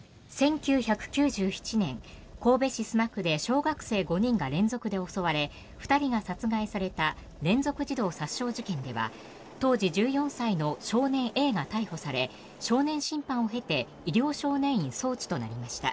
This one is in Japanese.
１９９７年、神戸市須磨区で小学生５人が連続で襲われ２人が殺害された連続児童殺傷事件では当時１４歳の少年Ａが逮捕され少年審判を経て医療少年院送致となりました。